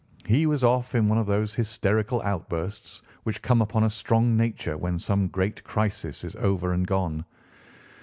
He was off in one of those hysterical outbursts which come upon a strong nature when some great crisis is over and gone.